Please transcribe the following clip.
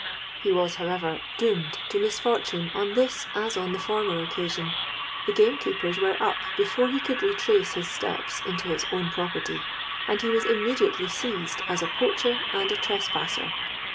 He was, however, doomed to misfortune on this, as on the former occasion. The gamekeepers were up before he could retrace his steps into his own property; and he was immediately seized as a poacher and a trespasser.